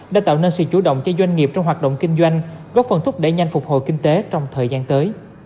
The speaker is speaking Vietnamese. đã tạo nên sự chủ động cho doanh nghiệp trong hoạt động kinh doanh góp phần thúc đẩy nhanh phục hồi kinh tế trong thời gian tới